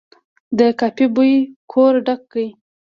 د کافي بوی کور ډک کړ.